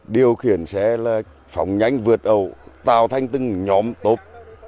điều khiển xe là phòng nhanh vượt ẩu tạo thành từng nhóm tốt